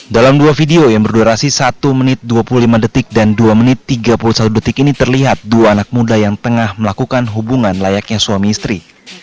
dalam dua video yang berdurasi satu menit dua puluh lima detik dan dua menit tiga puluh satu detik ini terlihat dua anak muda yang tengah melakukan hubungan layaknya suami istri